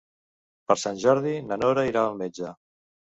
Per Sant Jordi na Nora irà al metge.